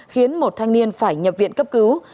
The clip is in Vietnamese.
khiến một thanh niên phải nhập viện cấp cứu